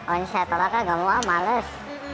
onset alah kagak mau males